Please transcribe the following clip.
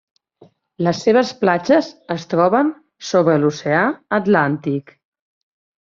Les seves platges es troben sobre l'oceà Atlàntic.